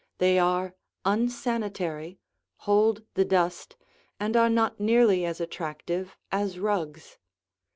They are unsanitary, hold the dust, and are not nearly as attractive as rugs.